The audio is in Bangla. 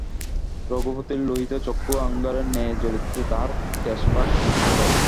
রঘুপতির লোহিত চক্ষু অঙ্গারের ন্যায় জ্বলিতেছে, তাঁহার কেশপাশ বিশৃঙ্খল।